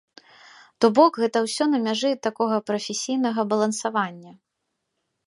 То бок, гэта ўсё на мяжы такога прафесійнага балансавання.